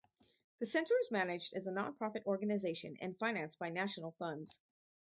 The center is managed as a non-profit organization, and financed by national funds.